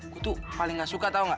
gua tuh paling gak suka tau gak